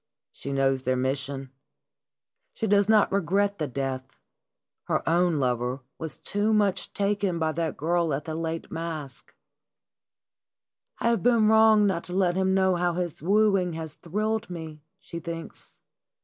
She knows their mission. She does not regret the death ; her own lover was too much taken by that girl at the late masque. " I have been wrong not to let him know how his wooing has thrilled me," she thinks.